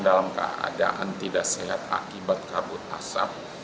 dalam keadaan tidak sehat akibat kabut asap